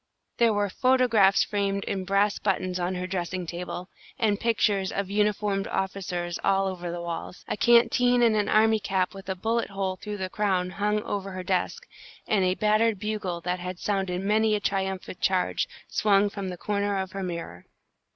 There were photographs framed in brass buttons on her dressing table, and pictures of uniformed officers all over the walls. A canteen and an army cap with a bullet hole through the crown, hung over her desk, and a battered bugle, that had sounded many a triumphant charge, swung from the corner of her mirror.